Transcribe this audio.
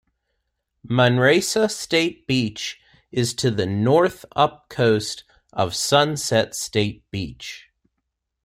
Manresa State Beach is to the north-upcoast of Sunset State Beach.